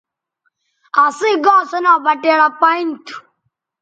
اَسئیں گاں سو ناں بٹیڑہ پائیں تھو۔